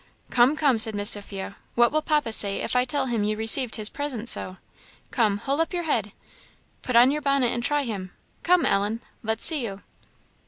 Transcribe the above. "Come, come," said Miss Sophia "what will Papa say if I tell him you received his present so? come, hold up your head! Put on your bonnet and try him come, Ellen! let's see you."